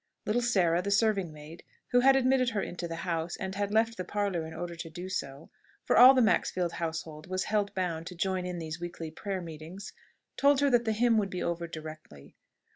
Little Sarah, the servant maid, who had admitted her into the house, and had left the parlour in order to do so for all the Maxfield household was held bound to join in these weekly prayer meetings told her that the hymn would be over directly.